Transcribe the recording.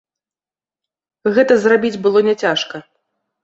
Гэта зрабіць было няцяжка.